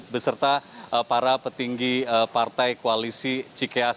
beserta para petinggi partai koalisi cikeas